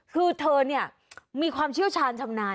คือเธอเนี่ยมีความเชี่ยวชาญชำนาญ